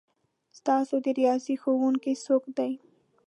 ستاسو د ریاضي ښؤونکی څوک دی؟